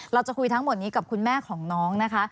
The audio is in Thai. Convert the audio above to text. เราจะคุยทั้งหมดนี้กับคุณแม่ของน้องนะคะ